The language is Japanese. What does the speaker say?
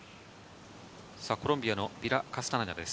コロンビアのビラ・カスタネダです。